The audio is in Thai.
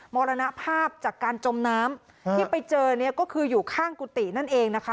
มรณภาพจากการจมน้ำที่ไปเจอเนี่ยก็คืออยู่ข้างกุฏินั่นเองนะคะ